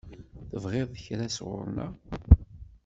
Tebɣiḍ kra sɣur-neɣ?